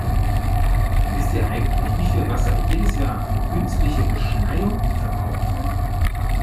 Wisst ihr eigentlich, wie viel Wasser jedes Jahr für künstliche Beschneiung verbraucht wird?